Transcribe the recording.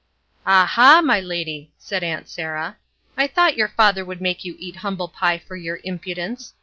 "Ah ha, my lady!" said Aunt Sarah, i thought your father would make you eat humble pie for your impudence.